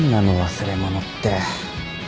忘れ物って。